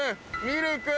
ミルク。